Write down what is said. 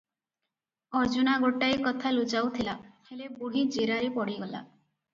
ଅର୍ଜୁନା ଗୋଟାଏ କଥା ଲୁଚାଉଥିଲା - ହେଲେ, ବୁଢ଼ୀ ଜେରାରେ ପଡ଼ିଗଲା ।